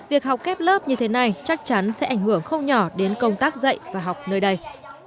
việc học kép lớp như thế này chắc chắn sẽ ảnh hưởng không nhỏ đến công tác dạy và học nơi đây